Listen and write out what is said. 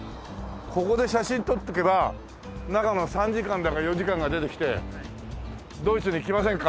ここで写真撮っとけば中のサンジカンだかヨジカンが出てきて「ドイツに来ませんか？」